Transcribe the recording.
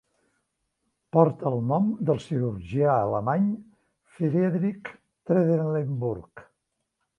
Porta el nom del cirurgià alemany Friedrich Trendelenburg.